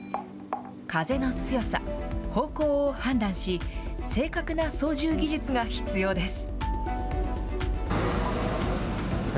風の強さ、方向を判断し、正確な操縦技術が必要です。